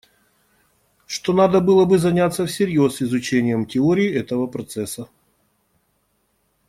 Что надо было бы заняться всерьез изучением теории этого процесса.